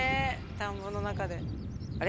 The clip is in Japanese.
田んぼの中であれ？